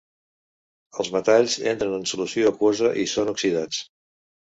Els metalls entren en solució aquosa i són oxidats.